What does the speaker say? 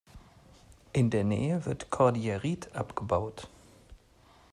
In der Nähe wird Cordierit abgebaut.